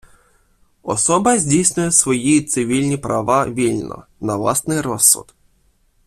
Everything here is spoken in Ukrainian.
Особа здійснює свої цивільні права вільно, на власний розсуд.